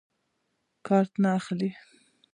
کارټ نه اخلي.